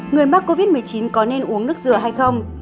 người mắc covid một mươi chín có nên uống nước dừa hay không